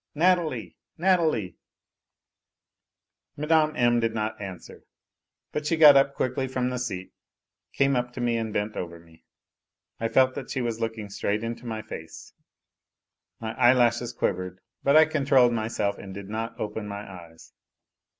! Natalie ! Natalie 1 " Mme. M. did not answer, but she got up quickly from the seat, came up to me and bent over me. I felt that she was looking straight into my face. My eyelashes quivered, but I controlled myself and did not open my eyes.